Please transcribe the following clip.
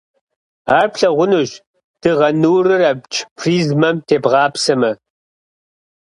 Ар плъэгъунущ дыгъэ нурыр абдж призмэм тебгъапсэмэ.